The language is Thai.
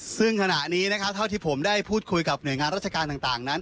ซึ่งขณะนี้นะครับเท่าที่ผมได้พูดคุยกับหน่วยงานราชการต่างนั้น